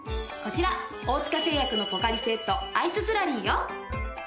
大塚製薬のポカリスエットアイススラリーよ。